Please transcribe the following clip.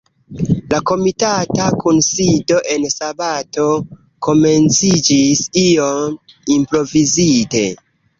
La komitata kunsido en sabato komenciĝis iom improvizite.